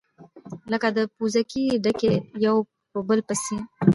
لكه د پوزکي ډَکي يو په بل پسي،